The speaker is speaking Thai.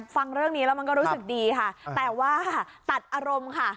ฟังเรื่องนี้แล้วมันก็รู้สึกดีค่ะแต่ว่าตัดอารมณ์ค่ะ